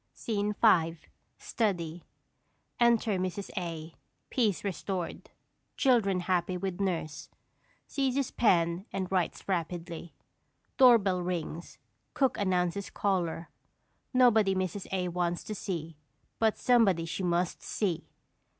_] SCENE V. STUDY. _Enter Mrs. A. Peace restored; children happy with nurse. Seizes pen and writes rapidly. Doorbell rings, cook announces caller; nobody Mrs. A. wants to see, but somebody she MUST see.